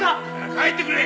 帰ってくれ！